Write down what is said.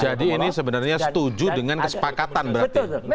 jadi ini sebenarnya setuju dengan kesepakatan berarti